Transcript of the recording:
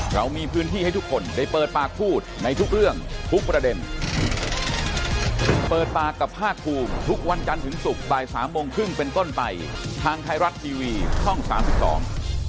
กลับมากลับบ้านเพื่อจะมาเตรียมกระเป๋าเตรียมบิน